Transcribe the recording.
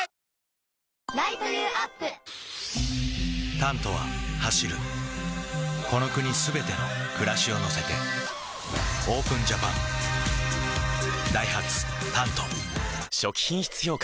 「タント」は走るこの国すべての暮らしを乗せてＯＰＥＮＪＡＰＡＮダイハツ「タント」初期品質評価